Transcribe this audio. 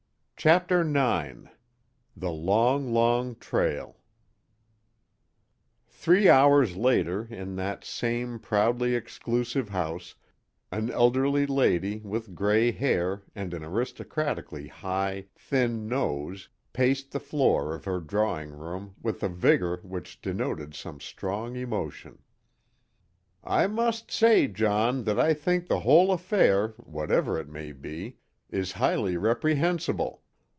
CHAPTER IX The Long, Long Trail Three hours later, in that same proudly exclusive house, an elderly lady with gray hair and an aristocratically high, thin nose paced the floor of her drawing room with a vigor which denoted some strong emotion. "I must say, John, that I think the whole affair, whatever it may be, is highly reprehensible.